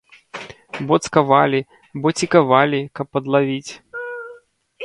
Бо цкавалі, бо цікавалі, каб падлавіць.